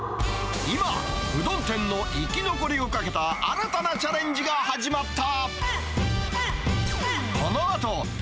今、うどん店の生き残りをかけた新たなチャレンジが始まった。